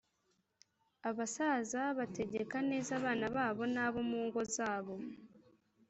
abasaza bategeka neza abana babo n’abo mu ngo zabo